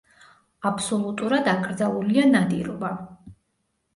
აბსოლუტურად აკრძალულია ნადირობა.